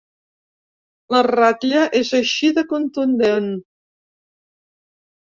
La ratlla és així de contundent.